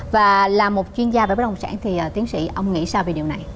và là một chuyên gia về bất đồng sản thì tiến sĩ ông nghĩ sao về điều này